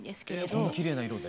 こんなきれいな色で？